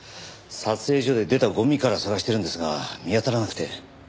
撮影所で出たゴミから捜してるんですが見当たらなくて。